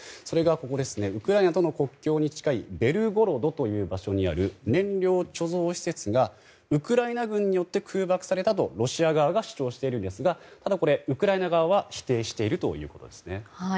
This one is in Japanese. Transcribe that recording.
それがウクライナとの国境に近いベルゴロドという場所にある燃料貯蔵施設がウクライナ軍によって空爆されたとロシア側が主張しているんですがウクライナ側は否定しているということです。